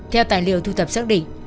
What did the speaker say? theo tài liệu thu thập xác định